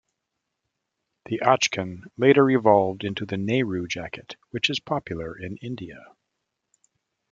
The achkan later evolved into the Nehru Jacket, which is popular in India.